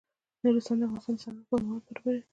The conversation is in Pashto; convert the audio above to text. نورستان د افغانستان د صنعت لپاره مواد برابروي.